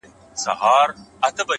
ژړېږه مه د لاسو مات بنگړي دې مه هېروه!!